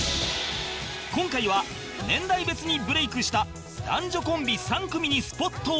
今回は年代別にブレイクした男女コンビ３組にスポットを当て